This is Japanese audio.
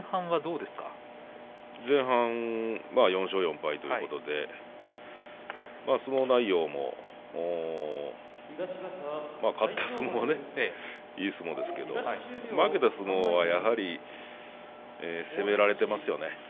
前半は４勝４敗ということで相撲内容も勝った相撲はいい相撲ですけれど負けた相撲はやはり攻められていますよね。